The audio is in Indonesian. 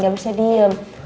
gak bisa diem